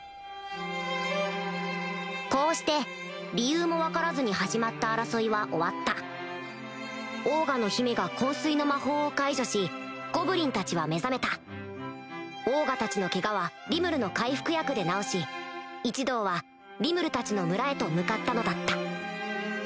こうして理由も分からずに始まった争いは終わったオーガの姫が昏睡の魔法を解除しゴブリンたちは目覚めたオーガたちのケガはリムルの回復薬で治し一同はリムルたちの村へと向かったのだった